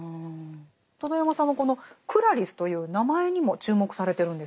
戸田山さんはこの「クラリス」という名前にも注目されてるんですよね。